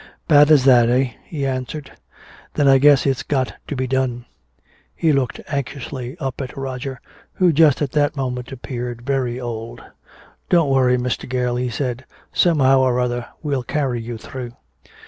"Bad as that, eh," he answered. "Then I guess it's got to be done." He looked anxiously up at Roger, who just at that moment appeared very old. "Don't worry, Mr. Gale," he said. "Somehow or other we'll carry you through."